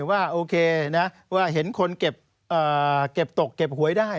ว่าโอเคนะว่าเห็นคนเก็บตกเก็บหวยได้